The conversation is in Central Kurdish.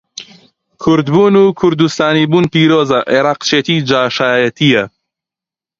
کوردبوون و کوردستانی بوون پیرۆزە، عێڕاقچێتی جاشایەتییە.